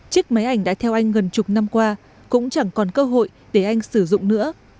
chiếc máy ảnh đã theo anh gần chục năm qua cũng chẳng còn cơ hội để anh sử dụng nữa